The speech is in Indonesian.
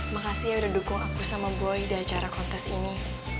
makasih ya udah dukung aku sama buoy di acara kontes ini